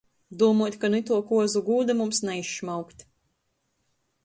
Dūmuot, ka nu ituo kuozu gūda mums naizšmaukt.